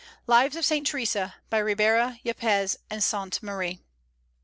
Lives of Saint Theresa by Ribera, Yepez, and Sainte Marie.